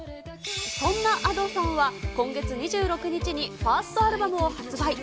そんなＡｄｏさんは、今月２６日にファーストアルバムを発売。